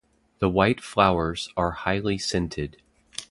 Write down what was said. The white flowers are highly scented.